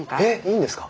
いいんですか？